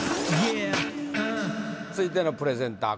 続いてのプレゼンター